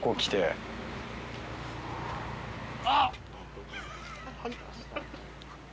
あっ！